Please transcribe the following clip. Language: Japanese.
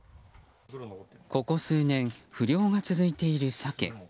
ここ数年、不漁が続いているサケ。